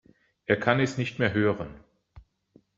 Er kann es nicht mehr hören.